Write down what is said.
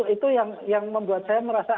itu yang membuat saya merasa